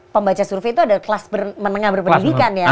pembaca survei itu ada kelas menengah berpendidikan ya